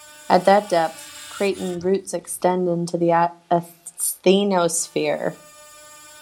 At that depth, craton roots extend into the asthenosphere.